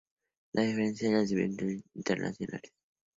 La diferencia de las versiones internacionales.